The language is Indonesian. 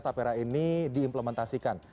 tapera ini diimplementasikan